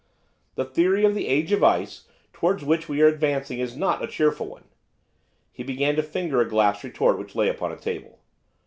'The theory of the Age of Ice towards which we are advancing is not a cheerful one.' He began to finger a glass retort which lay upon a table.